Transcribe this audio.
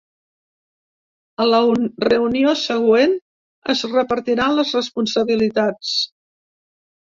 A la reunió següent es repartiran les responsabilitats.